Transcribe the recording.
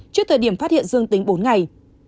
trước thời điểm phát hiện dương tính bốn ngày